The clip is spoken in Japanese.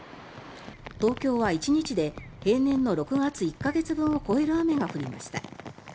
東京は１日で平年の６月１か月分を超える雨が降りました。